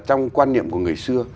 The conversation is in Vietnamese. trong quan niệm của người xưa